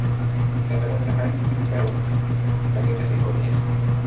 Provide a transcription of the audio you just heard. El álbum ha vendido hasta la fecha casi dos millones de copias.